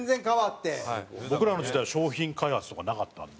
僕らの時代は商品開発とかなかったんで。